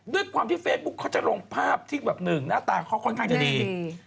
ด้วยความที่เฟซบุ๊คเขาจะลงภาพที่แบบหนึ่งหน้าตาเขาค่อนข้างจะดี